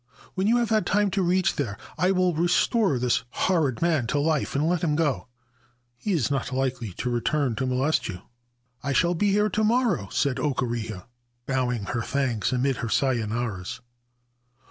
When you have had time to reach there I will restore this horrid man to life and let him go. He is not likely to return to molest you.' 4 1 shall be here to morrow/ said Okureha, bowing her thanks amid her c Sayonaras.'